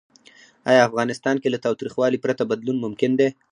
آیا افغانستان کې له تاوتریخوالي پرته بدلون ممکن دی؟